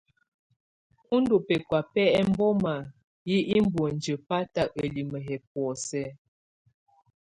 U ndù̀ bɛkɔ̀á bɛ ɛmboma yɛ iboŋdiǝ bata ǝlimǝ yɛ bɔ̀ósɛ.